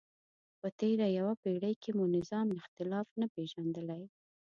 په تېره یوه پیړۍ کې مو نظام اختلاف نه پېژندلی.